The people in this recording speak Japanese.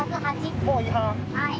はい。